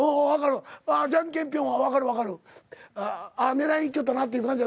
狙いにいきよったなっていう感じやった。